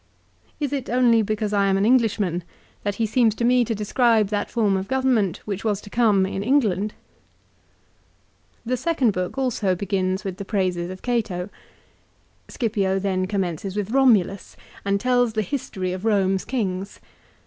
Is it only because I am an Englishman that he seems to me to describe that form of government which was to come in England ? The second book also begins with the praises of Cato. Scipio then commences with Romulus, and tells the history of Home's kings.